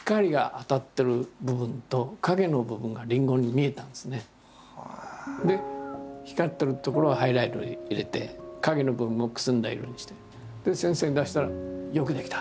それであるときねふと光ってる所はハイライトを入れて影の部分をくすんだ色にしてで先生に出したら「よくできた！